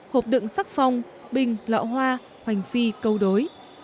hộp đựng sắc phong bình lọ hoa hoành phi câu đối